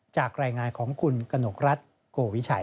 จากรายงานของคุณกนกรัฐโกวิชัย